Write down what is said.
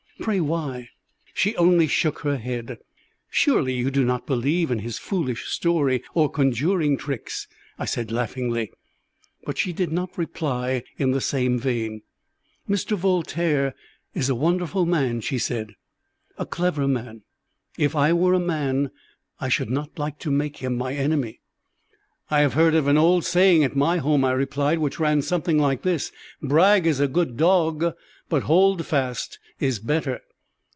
"Pray why?" She only shook her head. "Surely you do not believe in his foolish story or conjuring tricks?" I said laughingly. But she did not reply in the same vein. "Mr. Voltaire is a wonderful man," she said, "a clever man. If I were a man I should not like to make him my enemy." "I have heard of an old saying at my home," I replied, "which ran something like this, 'Brag is a good dog, but Holdfast is better.'"